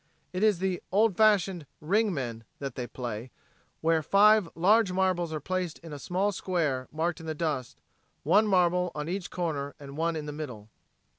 It is the old fashioned "ring men" that they play, where five large marbles are placed in a small square marked in the dust, one marble on each corner and one in the middle.